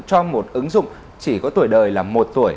cho một ứng dụng chỉ có tuổi đời là một tuổi